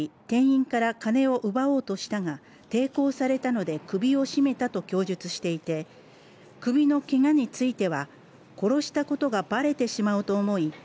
店員から金を奪おうとしたが抵抗されたので首を絞めたと供述していて首のけがについては殺したことがばれてしまうと思い